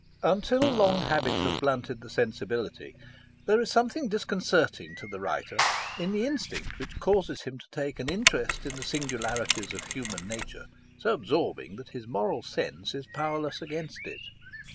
Until long habit has blunted the sensibility, there is something disconcerting to the writer in the instinct which causes him to take an interest in the singularities of human nature so absorbing that his moral sense is powerless against it.